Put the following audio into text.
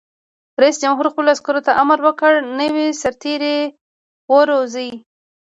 رئیس جمهور خپلو عسکرو ته امر وکړ؛ نوي سرتېري وروزیئ!